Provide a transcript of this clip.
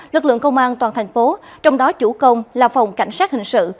lực lượng công an toàn thành phố trong đó chủ công là phòng cảnh sát hình sự